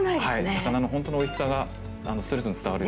魚の本当のおいしさがストレートに伝わる。